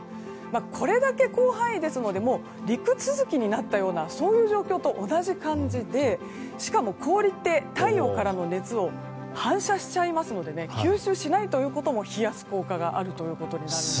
これだけ広範囲なので陸続きになったようなそういう状況と同じ感じでしかも氷って、太陽からの熱を反射しちゃいますので吸収しないということも冷やす効果があるということです。